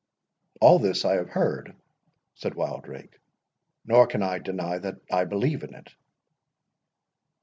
"All this I have heard," said Wildrake, "nor can I deny that I believe in it."